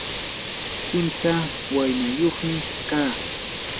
kimsa waynayuqmi kaa.